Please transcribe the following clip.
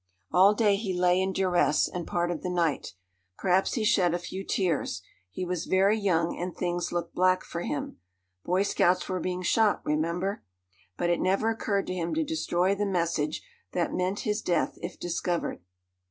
All day he lay in duress, and part of the night. Perhaps he shed a few tears. He was very young, and things looked black for him. Boy scouts were being shot, remember! But it never occurred to him to destroy the message that meant his death if discovered.